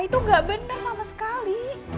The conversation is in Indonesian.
itu gak bener sama sekali